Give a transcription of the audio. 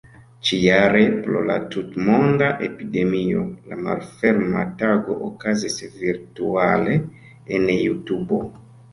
Ĉi-jare pro la tut-monda epidemio, la Malferma Tago okazis virtuale en Jutubo.